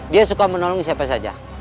dia suka menolong siapa saja